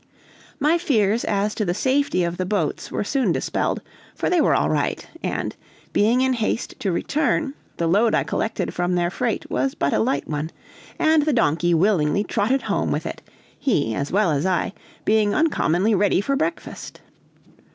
My fears as to the safety of the boats were soon dispelled, for they were all right; and, being in haste to return, the load I collected from their freight was but a light one, and the donkey willingly trotted home with it, he, as well as I, being uncommonly ready for breakfast.